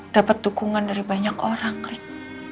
dapat dukungan dari banyak orang rik